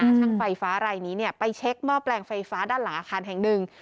ช่างไฟฟ้ารายนี้ไปเช็คหม้อแปลงไฟฟ้าด้านหลังอาคารแห่งหนึ่ง